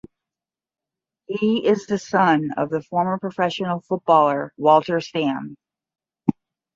He is the son of the former professional footballer Walter Stamm.